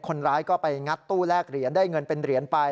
คนร้ายก็ไปงัดตู้แลกเหรียญได้เงินเป็นเหรียญไป